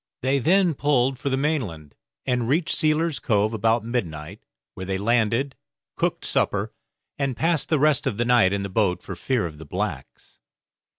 They then pulled for the mainland, and reached Sealer's Cove about midnight, where they landed, cooked supper, and passed the rest of the night in the boat for fear of the blacks.